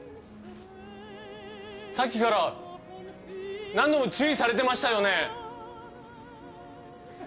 さっきから何度も注意されてましたよね？